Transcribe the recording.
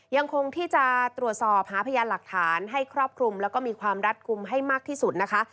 ยังคงที่จะตรวจสอบหาพยานหลักฐานให้ครอบคลุมแล้วก็มีความรัดกลุ่มให้มากที่สุดนะคะ